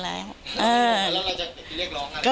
แล้วเราจะไปเรียกร้องอะไร